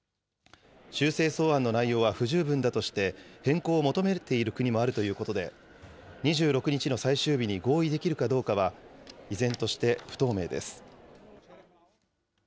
修正草案の内容は不十分だとして、変更を求めている国もあるということで、２６日の最終日に合意できるかどうかは依然として不透明